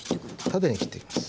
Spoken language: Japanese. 縦に切っていきます。